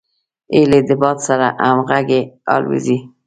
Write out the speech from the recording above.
هیلۍ د باد سره همغږي الوزي